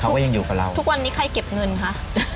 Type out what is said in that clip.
ใช่ไหมล่ะแล้วทุกวันนี้ใครเก็บเงินคะ